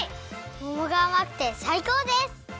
ももがあまくてさいこうです！